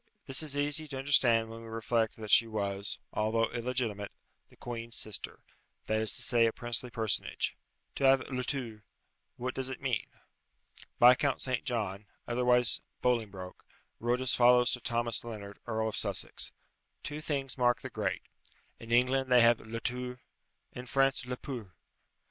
This is easy to understand when we reflect that she was, although illegitimate, the queen's sister that is to say, a princely personage. To have le tour what does it mean? Viscount St. John, otherwise Bolingbroke, wrote as follows to Thomas Lennard, Earl of Sussex: "Two things mark the great in England, they have le tour; in France, le pour."